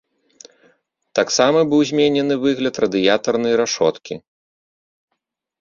Таксама быў зменены выгляд радыятарнай рашоткі.